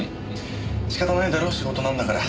仕方ないだろ仕事なんだから。